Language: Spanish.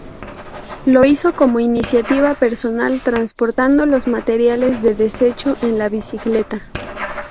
Lo hizo como iniciativa personal transportando los materiales de desecho en la bicicleta.